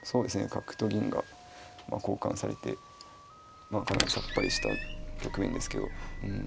角と銀がまあ交換されてかなりさっぱりした局面ですけど。